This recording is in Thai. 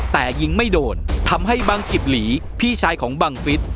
แต่ยิงไม่โดนทำให้บังกิบหลีพี่ชายของบังฟิศ